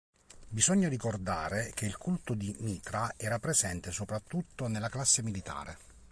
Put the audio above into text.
Bisogna ricordare che il culto di Mitra era presente soprattutto nella classe militare.